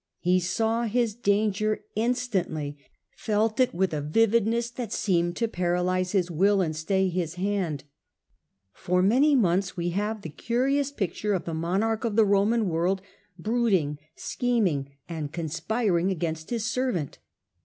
He saw his danger in Suspicions of stantly, felt it with a vividness that seemed to paralyse his will and stay his hand. For aroused, many months we have the curious picture of the monarch of the Roman world brooding, scheming, and conspiring against his servant.